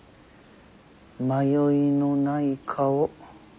迷いのない顔。